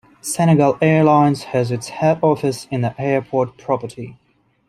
Senegal Airlines has its head office on the airport property.